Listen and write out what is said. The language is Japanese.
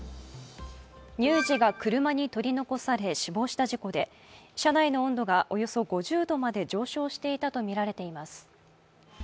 乳児が車に取り残され死亡した事故で車内の温度がおよそ５０度まで上昇していたとみられています。